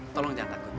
tolong jangan takut